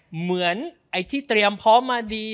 เหมือนไอ้ที่เตรียมพร้อมมาดี